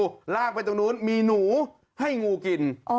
ลากไปตรงนู้นมีหนูให้งูกิน